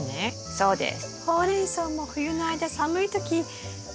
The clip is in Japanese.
そうです。